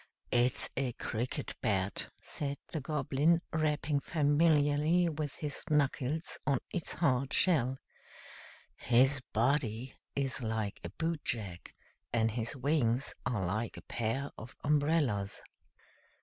"It's a Cricket Bat," said the Goblin, rapping familiarly with his knuckles on its hard shell. "His body is like a boot jack, and his wings are like a pair of umbrellas."